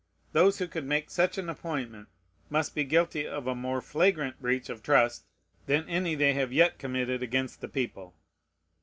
Those who could make such an appointment must be guilty of a more flagrant breach of trust than any they have yet committed against the people.